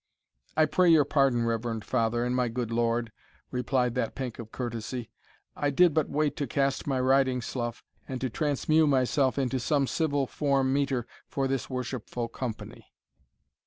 "I pray your pardon, reverend father, and my good lord," replied that pink of courtesy; "I did but wait to cast my riding slough, and to transmew myself into some civil form meeter for this worshipful company."